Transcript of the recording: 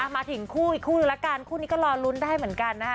มาถึงคู่อีกคู่หนึ่งละกันคู่นี้ก็รอลุ้นได้เหมือนกันนะคะ